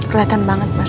keliatan banget mas